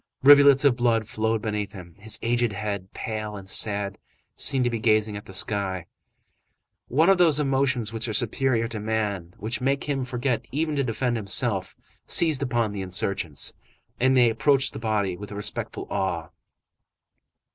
Rivulets of blood flowed beneath him. His aged head, pale and sad, seemed to be gazing at the sky. One of those emotions which are superior to man, which make him forget even to defend himself, seized upon the insurgents, and they approached the body with respectful awe.